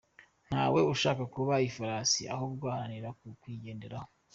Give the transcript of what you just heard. Ntawe ushaka kuba ifarasi ahubwo aharanira kuyigenderaho